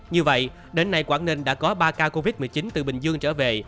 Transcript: như vậy đến nay quảng ninh đã có ba ca covid một mươi chín từ bình dương trở về